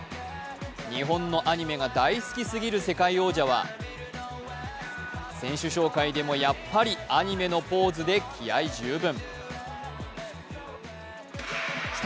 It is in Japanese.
日本のアニメが大好きすぎる世界王者は選手紹介でもやっぱりアニメのポーズで気合い十分。